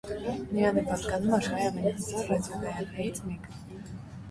Նրան է պատկանում աշխարհի ամենահզոր ռադիոկայաններից մեկը։